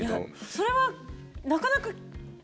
それは、なかなか。